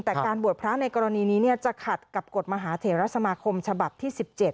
แต่การบวชพระในกรณีนี้จะขัดกับกฎมหาเถระสมาคมฉบับที่๑๗